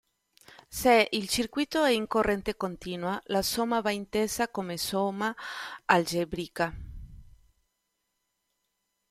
Se il circuito è in corrente continua la somma va intesa come somma algebrica.